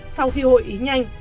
sau khi hội ý nhanh